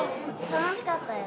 楽しかったよ。